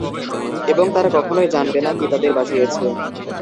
এবং তারা কখনই জানবে না কে তাদের বাঁচিয়েছে।